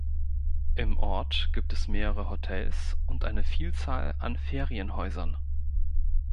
Im Ort gibt es mehrere Hotels und eine Vielzahl an Ferienhäusern.